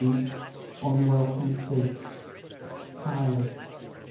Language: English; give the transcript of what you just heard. XVII UNWELCOME TRUTHS Silence.